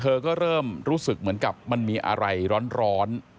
เธอก็เริ่มรู้สึกเหมือนกับมันมีอะไรร้อน